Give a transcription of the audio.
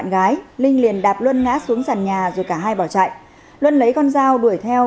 bạn gái linh liền đạt luân ngã xuống sàn nhà rồi cả hai bỏ chạy luân lấy con dao đuổi theo